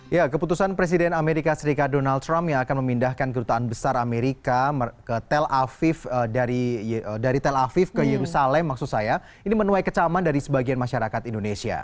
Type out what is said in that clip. ya keputusan presiden amerika serikat donald trump yang akan memindahkan kedutaan besar amerika ke tel aviv dari tel aviv ke yerusalem maksud saya ini menuai kecaman dari sebagian masyarakat indonesia